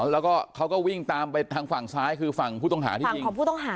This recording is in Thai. แล้วก็เขาก็วิ่งตามไปทางฝั่งซ้ายคือฝั่งผู้ต้องหาที่ยิง